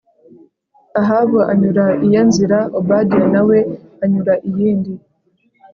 Ahabu anyura iye nzira Obadiya na we anyura iyindi